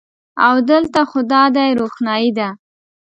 او د لته خو دادی روښنایې ده